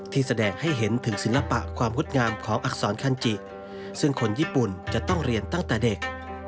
แสดงให้เห็นถึงศิลปะความงดงามของอักษรคันจิซึ่งคนญี่ปุ่นจะต้องเรียนตั้งแต่เด็ก